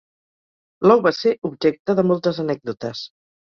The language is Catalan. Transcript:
L'ou va ser objecte de moltes anècdotes.